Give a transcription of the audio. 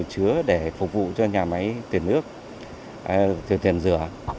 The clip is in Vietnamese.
chứa để phục vụ cho nhà máy tiền nước tiền rửa